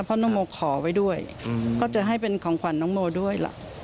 เพราะน้องโมขอไว้ด้วยก็จะให้เป็นของขวัญน้องโมด้วยล่ะ